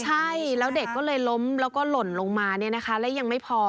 ใช่แล้วเด็กก็เลยล้มแล้วก็หล่นลงมาเนี่ยนะคะแล้วยังไม่พอ